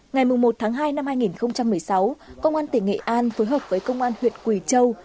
ngày một tháng hai năm hai nghìn một mươi sáu công an tỉnh nghệ an phối hợp với công an huyện quỳ châu